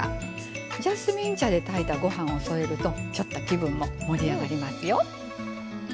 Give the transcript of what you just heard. ジャスミン茶で炊いたご飯を添えるとちょっと気分も盛り上がりますよ。